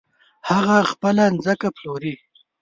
هغه خپله ځمکه پلوري .